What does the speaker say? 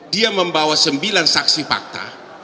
dia membawa sembilan saksi fakta